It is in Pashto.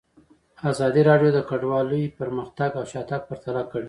ازادي راډیو د کډوال پرمختګ او شاتګ پرتله کړی.